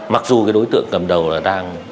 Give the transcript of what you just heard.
mặc dù cái đối tượng cầm đầu là đang